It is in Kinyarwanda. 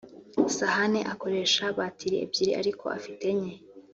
Sahane akoresha batiri ebyiri ariko afite enye